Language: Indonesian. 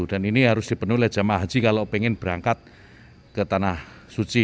dan ini harus dipenuhi oleh jama' haji kalau ingin berangkat ke tanah suci